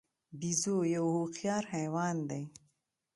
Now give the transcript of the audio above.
بیزو یو هوښیار حیوان دی.